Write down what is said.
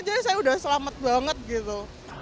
jadi saya udah selamat banget gitu